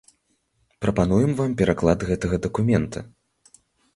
Прапануем вам пераклад гэтага дакумента.